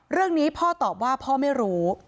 เรื่องนี้พ่อตอบว่าพ่อไม่รู้